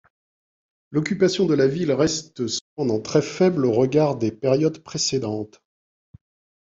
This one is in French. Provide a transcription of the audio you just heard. L'occupation de la ville reste cependant très faible au regard des périodes précédentes.